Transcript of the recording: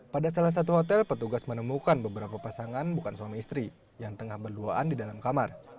pada salah satu hotel petugas menemukan beberapa pasangan bukan suami istri yang tengah berduaan di dalam kamar